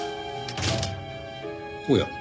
おや？